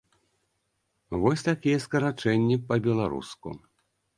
Вось такія скарачэнні па-беларуску.